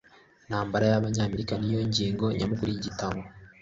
Intambara y'Abanyamerika ni yo ngingo nyamukuru y'igitabo.